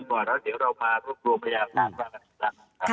แล้วเดี๋ยวเราพาพวกโรงพยาบาลภูมิมากัน